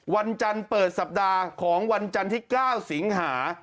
วันจันทร์เปิดสัปดาห์ของวันจันทร์ที่๙สิงหา